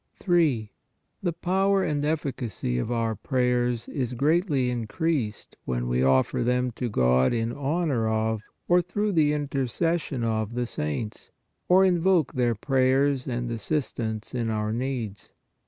3. The power and efficacy of our prayers is greatly increased when we offer them to God in honor of or through the intercession of the saints, or invoke their prayers and assistance in our needs.